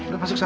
ya masuk sana